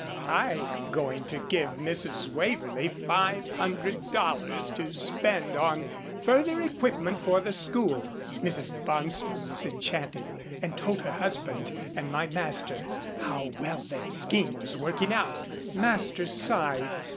I am going to give Mrs. Waverlee five hundred dollars to spend on further equipment for the school." Mrs. Bonstone was enchanted, and told her husband and my master how well their scheme was working out. Master sighed.